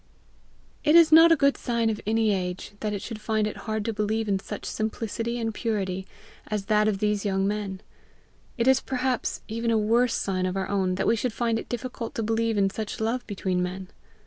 It is not a good sign of any age that it should find it hard to believe in such simplicity and purity as that of these young men; it is perhaps even a worse sign of our own that we should find it difficult to believe in such love between men.